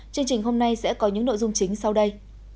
chương trình hôm nay sẽ có những nội dung chính sau đây